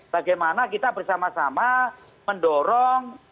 bagaimana kita bersama sama mendukung kegagalan